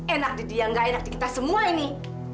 enak di dia gak enak di kita semua ini